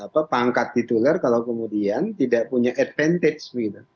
pertama pangkat titular kalau kemudian tidak punya keuntungan